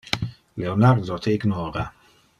Leonardo te ignora.